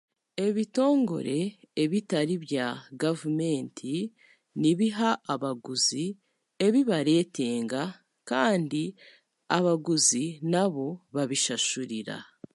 Ebitongore, ebitari bya gavumenti nibiha abaguzi ebi bareetenga, kandi abaguzi nabo babishashurira.